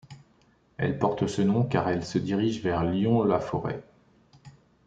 Elle porte ce nom car elle se dirige vers Lyons-la-Forêt.